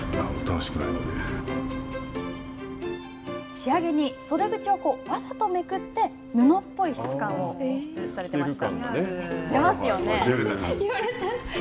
仕上げに袖口をわざとめくって布っぽい質感を演出されてました。